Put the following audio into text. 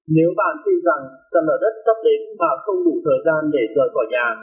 nếu bạn tin rằng sạt lở đất sắp đến và không đủ thời gian để rời khỏi nhà